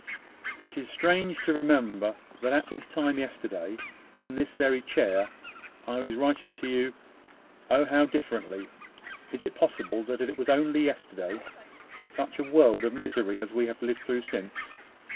It seems strange to remember that at this time yesterday, in this very chair, I was writing to you. Oh how differently! Is it possible that it was only yesterday such a world of misery as we have lived through since?